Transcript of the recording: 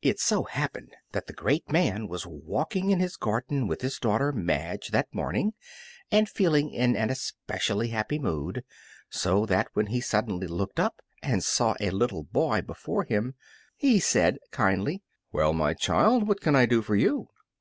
It so happened that the great man was walking in his garden with his daughter Madge that morning, and was feeling in an especially happy mood, so that when he suddenly looked up and saw a little boy before him, he said, kindly, "Well, my child, what can I do for you?"